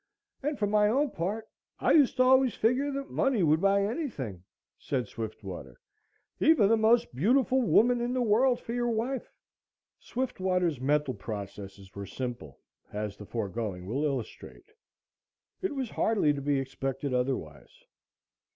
And for my own part, I used to always figure that money would buy anything," said Swiftwater, "even the most beautiful woman in the world for your wife." Swiftwater's mental processes were simple, as the foregoing will illustrate. It was hardly to be expected otherwise.